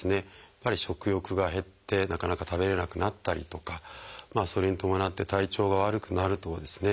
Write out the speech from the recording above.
やっぱり食欲が減ってなかなか食べれなくなったりとかそれに伴って体調が悪くなるとですね